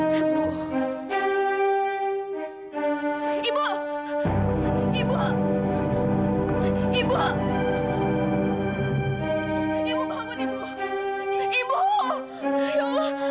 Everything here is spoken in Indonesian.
sampai jumpa di video selanjutnya